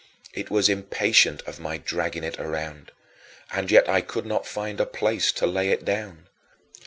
It was impatient of my dragging it around, and yet I could not find a place to lay it down.